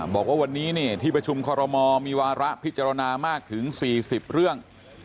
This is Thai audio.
บอกว่าวันนี้ที่ประชุมคอรมอลมีวาระพิจารณามากถึง๔๐เรื่อง